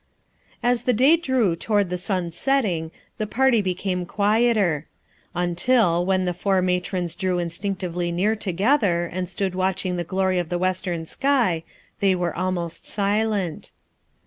As the day drew toward the sunsetting the party became quieter; until, when the four ma trons drew instinctively near together and stood watching the glory of the western sky, they were almost silent.